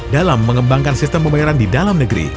dalam mengembangkan sistem pembayaran di dalam negeri